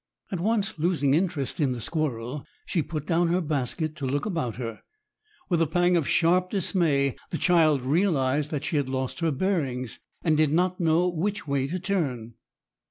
At once losing interest in the squirrel, she put down her basket to look about her. With a pang of sharp dismay, the child realized that she had lost her bearings, and did not know which way to turn.